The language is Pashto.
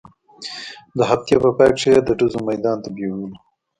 د هفتې په پاى کښې يې د ډزو ميدان ته بېولو.